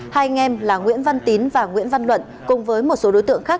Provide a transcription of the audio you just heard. hai anh em là nguyễn văn tín và nguyễn văn luận cùng với một số đối tượng khác